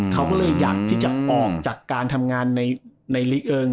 เขาก็เลยอยากที่จะออกจากการทำงานในลีกเอิง